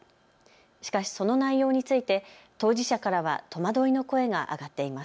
しかしその内容について当事者からは戸惑いの声が上がっています。